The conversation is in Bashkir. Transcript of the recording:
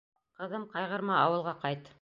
Ҡыҙым, ҡайғырма, ауылға ҡайт.